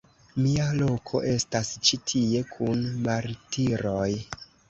Mia loko estas ĉi tie, kun martiroj!